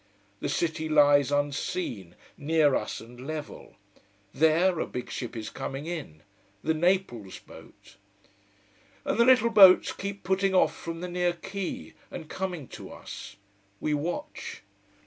The city lies unseen, near us and level. There a big ship is coming in: the Naples boat. And the little boats keep putting off from the near quay, and coming to us. We watch.